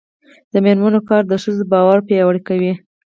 د میرمنو کار د ښځو باور پیاوړی کوي.